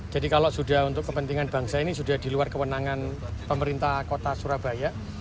jadi kalau sudah untuk kepentingan bangsa ini sudah di luar kewenangan pemerintah kota surabaya